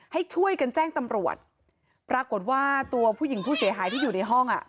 ให้ช่วยกันแจ้งตำรวจปรากฏว่าตัวผู้หญิงผู้เสียหายที่อยู่ในห้องอ่ะ